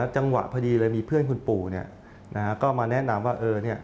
จังหวะพอดีเลยมีเพื่อนคุณปู่ก็มาแนะนำว่า